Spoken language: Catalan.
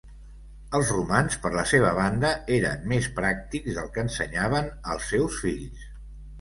Els romans, per la seva banda, eren més pràctics del que ensenyaven als seus fills.